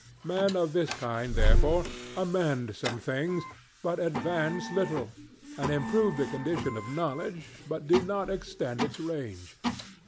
Men of this kind, therefore, amend some things, but advance little; and improve the condition of knowledge, but do not extend its range.